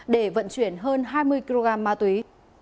để vận chuyển hơn hai mươi kg ma túy